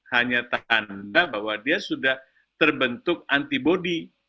hanya tanda bahwa dia sudah terbentuk antibody